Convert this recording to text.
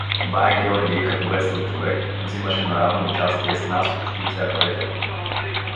Бае Георги, като весел човек, взимаше наравно участие с нас почти всяка вечер.